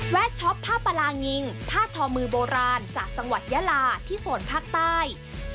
ช็อปผ้าปลางิงผ้าทอมือโบราณจากจังหวัดยาลาที่โซนภาคใต้